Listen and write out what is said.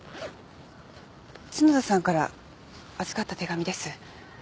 角田さんから預かった手紙です。